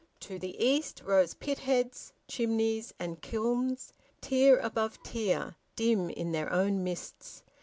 To the east rose pitheads, chimneys, and kilns, tier above tier, dim in their own mists.